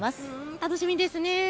楽しみですね。